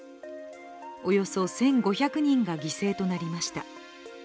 およそ１５００人が犠牲となりました。